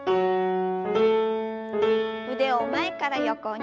腕を前から横に。